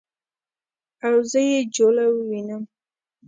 او زه یې جوله ووینم